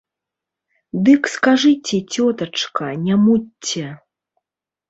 Дык скажыце, цётачка, не мучце!